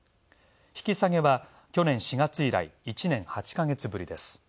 引き下げは去年４月以来、１年８ヶ月ぶりです。